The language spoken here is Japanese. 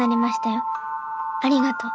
ありがとう。